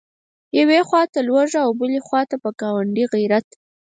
یوې خواته لوږه او بلې خواته په ګاونډي غیرت.